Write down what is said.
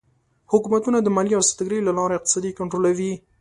حکومتونه د مالیې او سوداګرۍ له لارې اقتصاد کنټرولوي.